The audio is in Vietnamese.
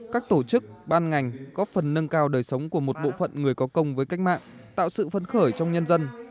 các tổ chức ban ngành góp phần nâng cao đời sống của một bộ phận người có công với cách mạng tạo sự phân khởi trong nhân dân